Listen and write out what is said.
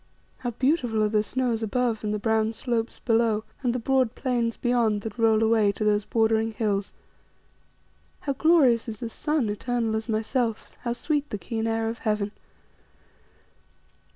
How beautiful are the snows above, and the brown slopes below, and the broad plains beyond that roll away to those bordering hills! How glorious is the sun, eternal as myself; how sweet the keen air of heaven.